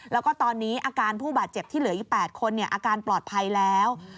แล้วก็ตอนนี้อาการผู้บาดเจ็บที่เหลืออีก๘คนอาการปลอดภัยแล้ว